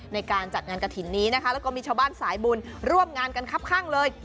ในการจัดงานกระถิ่นนี้นะคะแล้วก็มีชาวบ้านสายบุญร่วมงานกันครับข้างเลย